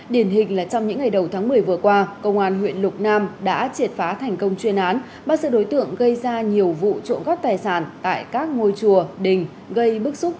điển hình là trong những ngày đầu tháng một mươi vừa qua công an huyện lục nam đã triệt phá thành công chuyên án bắt sự đối tượng gây ra nhiều vụ trộm cắp tài sản tại các ngôi chùa đình gây bức xúc